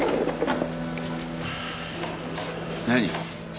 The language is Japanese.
何？